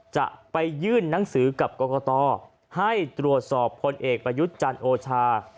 จะไปยื่นหนังสือกับกรกตให้ตรวจสอบพลเอกประยุทธ์จันทร์โอชา